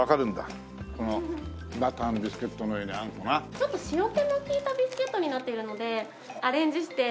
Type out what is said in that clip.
ちょっと塩気の利いたビスケットになっているのでアレンジして。